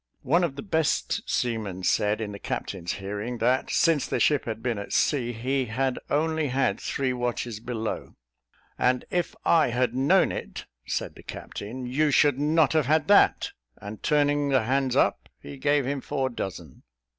One of the best seamen said, in the captain's hearing, that, "since the ship had been at sea, he had only had three watches below." "And if I had known it," said the captain, "you should not have had that;" and turning the hands up, he gave him four dozen.